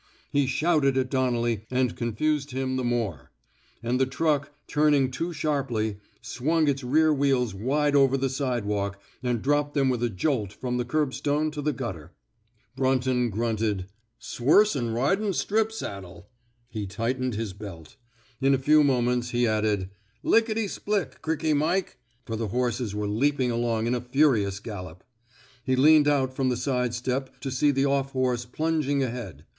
He shouted at Donnelly and confused him the more; and the truck, turning too sharply, swung its rear wheels wide over the sidewalk and dropped them with a jolt from the curbstone to the gutter. Brunton grunted: 'S worse 'n ridin' strip saddle 1 " He tightened his belt. In 137 THE SMOKE EATERS a few moments, he added: '* Lickety split! Crikey Mike! '*— for the horses were leap ing along in a furious gallop. He leaned out from the side step to see the off horse plung ing ahead.